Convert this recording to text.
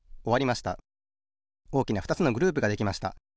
おおきなふたつのグループができました。